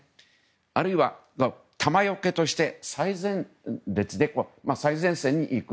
あるいは弾よけとして最前線に行く。